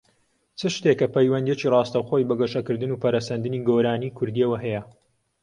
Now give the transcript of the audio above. چ شتێکە پەیوەندییەکی ڕاستەوخۆی بە گەشەکردن و پەرەسەندنی گۆرانیی کوردییەوە هەیە؟